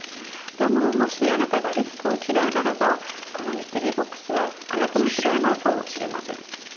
でももしあなたがリスクを嫌うならばこのミステリーボックスはあなた向きではないかもしれません。